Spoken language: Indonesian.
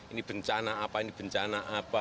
ini bencana apa ini bencana apa